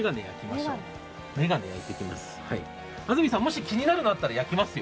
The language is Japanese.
安住さん、気になるものあったら焼きますよ。